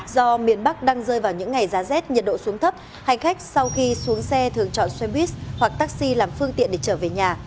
do miền bắc đang rơi vào những ngày giá rét nhiệt độ xuống thấp hành khách sau khi xuống xe thường chọn xe buýt hoặc taxi làm phương tiện để trở về nhà